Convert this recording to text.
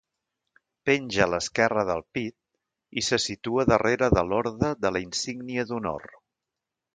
Penja a l'esquerra del pit, i se situa darrere de l'Orde de la Insígnia d'Honor.